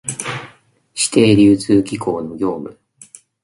指定流通機構の業務